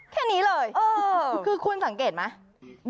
แค่นี้เลยคือคุณสังเกตไหม